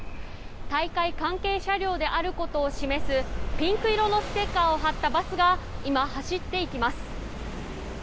大会関係車両であることを示すピンク色のステッカーを貼ったバスが今、走っていきます。